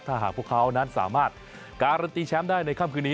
ถ้าหากพวกเขานั้นสามารถการันตีแชมป์ได้ในค่ำคืนนี้